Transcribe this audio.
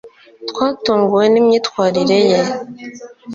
twatunguwe nimyitwarire ye